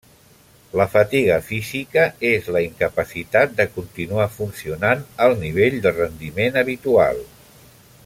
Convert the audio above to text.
La fatiga física és la incapacitat de continuar funcionant al nivell de rendiment habitual.